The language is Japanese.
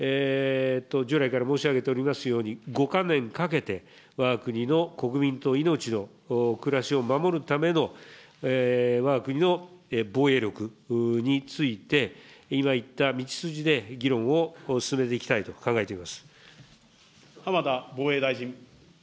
従来から申し上げておりますように、５か年かけて、わが国の国民と命の暮らしを守るためのわが国の防衛力について、今言った道筋で議論を進めていきたいと考えています。